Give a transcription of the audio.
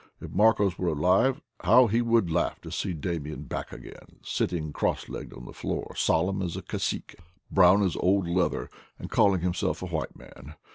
If Marcos were alive, how he would laugh to see Damian back again, sitting cross legged on the floor, solemn as a cacique, brown as old leather, and calling himself a white man!